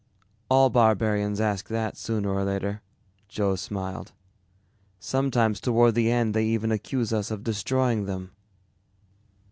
"All barbarians ask that sooner or later," Joe smiled. "Sometimes toward the end they even accuse us of destroying them.